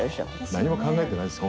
何も考えてないです